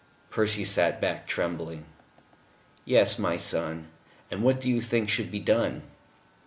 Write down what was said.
Percy sat back, trembling. "Yes, my son. And what do you think should be done?"